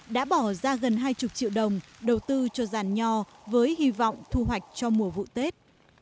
đã bỏ ra gần hai mươi triệu đồng đầu tư cho giàn nho với hy vọng thu hoạch cho mùa vụ tết